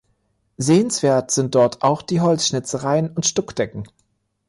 Sehenswert sind dort auch die Holzschnitzereien und Stuckdecken.